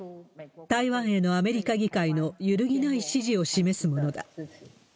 台湾へのアメリカ議会の揺るぎない支持を示すものだ。